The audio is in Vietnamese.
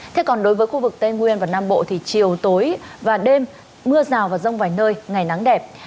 thế còn đối với khu vực tây nguyên và nam bộ thì chiều tối và đêm mưa rào và rông vài nơi ngày nắng đẹp